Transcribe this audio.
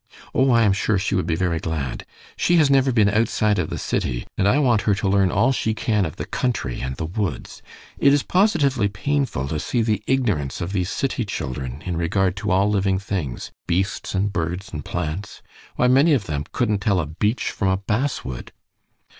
"Oh, I am sure she would be very glad! She has never been outside of the city, and I want her to learn all she can of the country and the woods. It is positively painful to see the ignorance of these city children in regard to all living things beasts and birds and plants. Why, many of them couldn't tell a beech from a basswood."